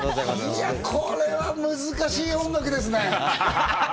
これは難しい音楽ですね。